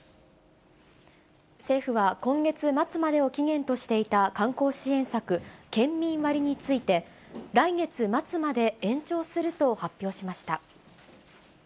政府は、今月末までを期限としていた観光支援策、県民割について、来月末まで延長すると発表しました。